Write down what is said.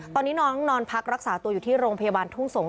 ตอนนี้น้องนอนพักรักษาตัวอยู่ที่โรงพยาบาลทุ่งสงศ